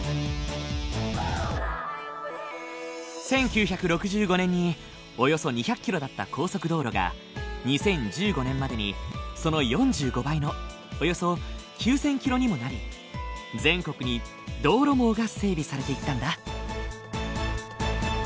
１９６５年におよそ２００キロだった高速道路が２０１５年までにその４５倍のおよそ９，０００キロにもなり全国に道路網が整備されていったんだ。